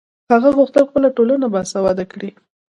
هغه غوښتل چې خپله ټولنه باسواده کړي.